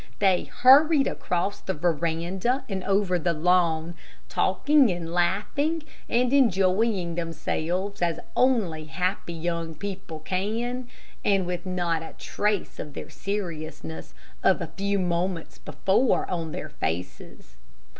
They hurried across the veranda and over the lawn, talking and laughing, and enjoying themselves as only happy young people can, and with not a trace of their seriousness of a few moments before on their faces.